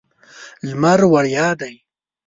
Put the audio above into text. لمر وړیا دی.